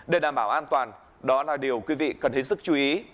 để đảm bảo an toàn đó là điều quý vị cần hết sức chú ý